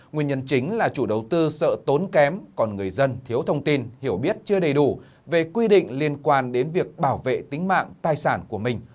nguyên nhân chính là chủ đầu tư sợ tốn kém còn người dân thiếu thông tin hiểu biết chưa đầy đủ về quy định liên quan đến việc bảo vệ tính mạng tài sản của mình